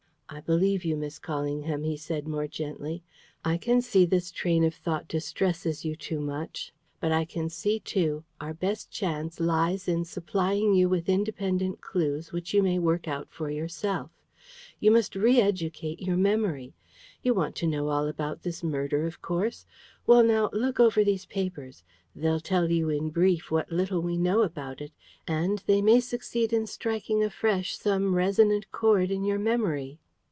"I believe you, Miss Callingham," he said, more gently. "I can see this train of thought distresses you too much. But I can see, too, our best chance lies in supplying you with independent clues which you may work out for yourself. You must re educate your memory. You want to know all about this murder, of course. Well, now, look over these papers. They'll tell you in brief what little we know about it. And they may succeed in striking afresh some resonant chord in your memory."